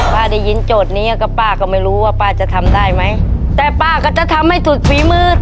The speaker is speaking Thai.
ป้าได้ยินโจทย์นี้ก็ป้าก็ไม่รู้ว่าป้าจะทำได้ไหมแต่ป้าก็จะทำให้สุดฝีมือ